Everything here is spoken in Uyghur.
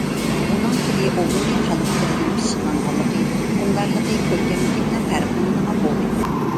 ئۇنىڭ تىلى ئومۇمىي خەلق تىلىدىن پىششىقلانغانلىقى، ئۇقۇمدارلىقى، كۆركەملىكى بىلەن پەرقلىنىدىغان بولدى.